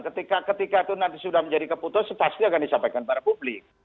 ketika ketika itu nanti sudah menjadi keputusan pasti akan disampaikan pada publik